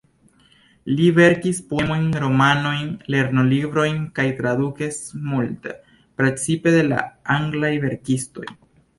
Li verkis poemojn, romanojn, lernolibrojn kaj tradukis multe, precipe de la anglaj verkistoj.